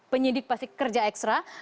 penyidik pasti kerja ekstra